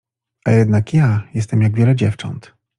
A jednak ja jestem jak wiele dziewcząt.